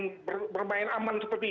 saya kira publik lain akan menilai mengenai